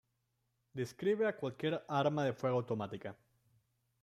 Describe a cualquier arma de fuego automática.